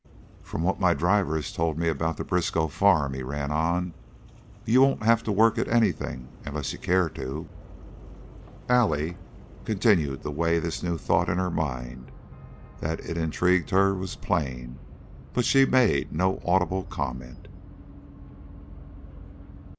"From what my driver has told me about the Briskow farm," he ran on, "you won't have to work at anything, unless you care to." Allie continued to weigh this new thought in her mind; that it intrigued her was plain, but she made no audible comment.